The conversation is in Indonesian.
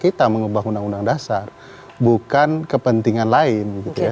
kita akan mengubah uud bukan kepentingan lain